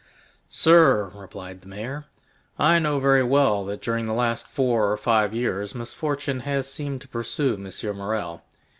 "Sir," replied the mayor. "I know very well that during the last four or five years misfortune has seemed to pursue M. Morrel.